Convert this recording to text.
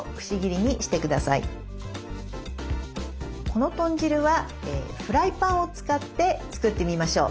この豚汁はフライパンを使って作ってみましょう。